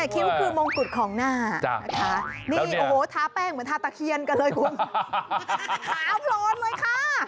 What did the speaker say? คิ้วคือมงกุฎของหน้านะคะนี่โอ้โหทาแป้งเหมือนทาตะเคียนกันเลยคุณขาวโพลนเลยค่ะ